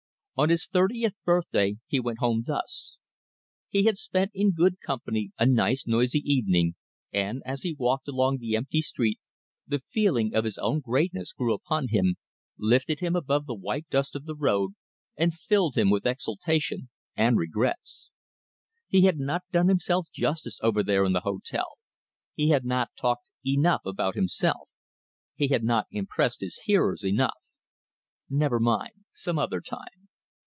On his thirtieth birthday he went home thus. He had spent in good company a nice, noisy evening, and, as he walked along the empty street, the feeling of his own greatness grew upon him, lifted him above the white dust of the road, and filled him with exultation and regrets. He had not done himself justice over there in the hotel, he had not talked enough about himself, he had not impressed his hearers enough. Never mind. Some other time.